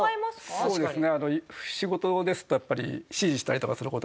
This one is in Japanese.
そうですね。